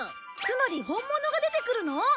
つまり本物が出てくるの？